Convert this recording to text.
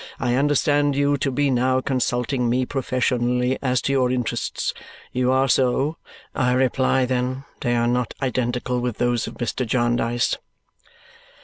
I understand you to be now consulting me professionally as to your interests? You are so? I reply, then, they are not identical with those of Mr. Jarndyce."